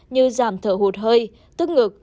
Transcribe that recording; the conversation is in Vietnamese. như giảm thở hụt hơi tức ngực